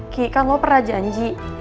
ki kan lo pernah janji